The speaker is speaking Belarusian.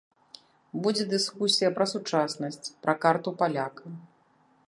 Будзе дыскусія пра сучаснасць, пра карту паляка.